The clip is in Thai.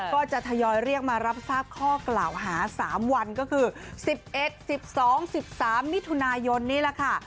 ก็จะทยอยเรียกมารับทราบข้อกล่าวหา๓วันก็คือ๑๑๑๒๑๓มิถุนายนนี่แหละค่ะ